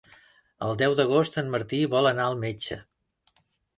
El deu d'agost en Martí vol anar al metge.